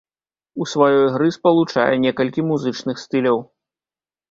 У сваёй гры спалучае некалькі музычных стыляў.